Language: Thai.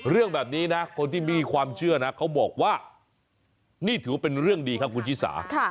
เรื่องแบบนี้นะคนที่มีความเชื่อนะเขาบอกว่านี่ถือว่าเป็นเรื่องดีครับคุณชิสา